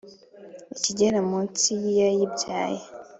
Ikigera mu nsi yiyayibyaye.